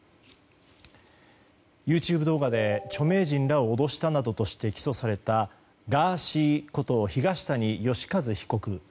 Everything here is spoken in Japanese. ＹｏｕＴｕｂｅ動画で著名人らを脅したなどとして起訴されたガーシーこと東谷義和被告。